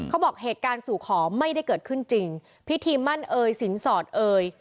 เขาบอกเหตุการณ์สู่ขอไม่ได้เกิดขึ้นจริงพิธีมั่นเอ่ยสินสอดเอ่ย